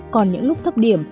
còn những lúc thấp điểm